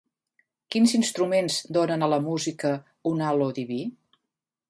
Quins instruments donen a la música un «halo diví»?